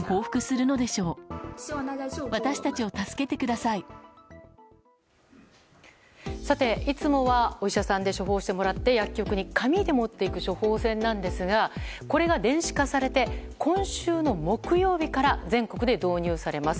さて、いつもはお医者さんで処方してもらって薬局に紙で持っていく処方箋なんですがこれが電子化されて今週の木曜日から全国で導入されます。